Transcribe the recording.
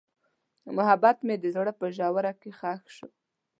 محبت مې د زړه په ژوره کې ښخ شو.